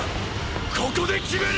ここで決める！！